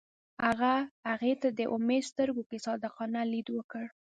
هغه هغې ته د امید سترګو کې صادقانه لید وکړ.